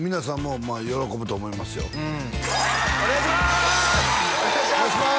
お願いします